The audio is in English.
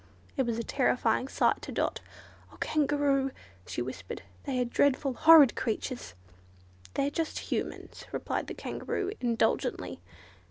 It was a terrifying sight to Dot. "Oh, Kangaroo!" she whispered, "they are dreadful, horrid creatures." "They're just Humans," replied the Kangaroo, indulgently.